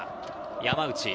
山内。